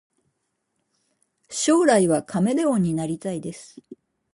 将来はカメレオンになりたいです